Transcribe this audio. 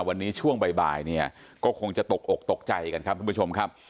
วันนี้ช่วงบ่ายเนี่ยก็คงจะตกอกตกใจกันครับทุกผู้ชมครับ